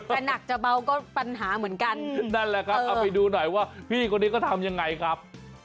หนักจะเบาก็ปัญหาเหมือนกันนั่นแหละครับเอาไปดูหน่อยว่าพี่คนนี้ก็ทำยังไงครับ